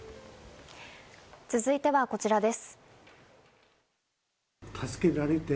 続いてはこちらです。